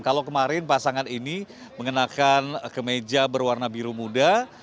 kalau kemarin pasangan ini mengenakan kemeja berwarna biru muda